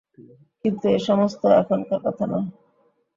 কিন্তু এ-সমস্ত এখনকার কথা নয়।